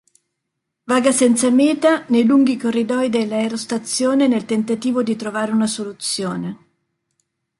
Vaga senza meta nei lunghi corridoi dell'aerostazione nel tentativo di trovare una soluzione.